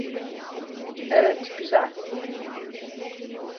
Evet, güzel.